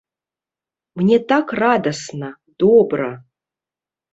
Мне так радасна, добра.